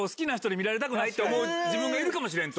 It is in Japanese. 思う自分がいるかもしれん！と。